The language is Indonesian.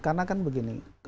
karena kan begini